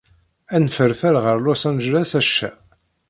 Ad nferfer ɣel Los Angeles acca.